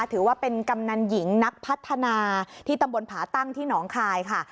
ถือว่าเป็นกำนันหญิงนักพัฒนาที่ตำบลผาตั้งที่หนองคายค่ะ